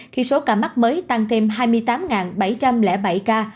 khi số ca mắc mới tăng thêm hai mươi tám bảy trăm linh bảy ca